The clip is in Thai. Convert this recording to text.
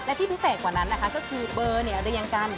และที่พิเศษกว่านั้นนะคะก็คือเบอร์เนี่ยเรียงกัน